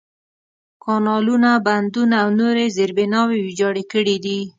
کانالونه، بندونه، او نورې زېربناوې ویجاړې کړي دي.